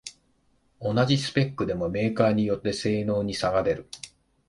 同じスペックでもメーカーによって性能に差が出る